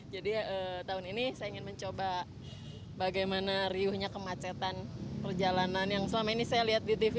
jadi tahun ini saya ingin mencoba bagaimana riuhnya kemacetan perjalanan yang selama ini saya lihat di tv